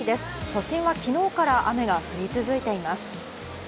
都心は昨日から雨が降り続いています。